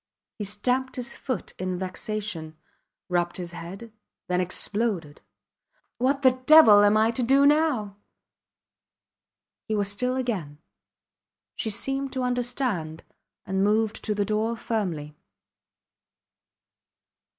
He stamped his foot in vexation, rubbed his head then exploded. What the devil am I to do now? He was still again. She seemed to understand, and moved to the door firmly.